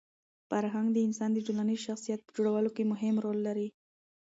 فرهنګ د انسان د ټولنیز شخصیت په جوړولو کي مهم رول لري.